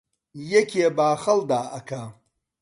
یەکێ باخەڵ دائەکا